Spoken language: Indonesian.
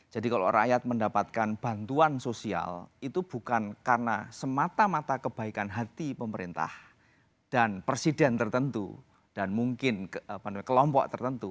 jadi kalau rakyat mendapatkan bantuan sosial itu bukan karena semata mata kebaikan hati pemerintah dan presiden tertentu dan mungkin kelompok tertentu